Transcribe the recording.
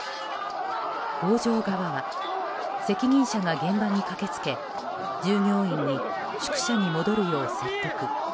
工場側は責任者が現場に駆け付け従業員に、宿舎に戻るよう説得。